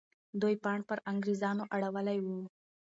دوی پاڼ پر انګریزانو اړولی وو.